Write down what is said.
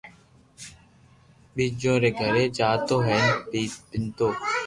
ڀيجو ري گھري جاتو ھين پينتو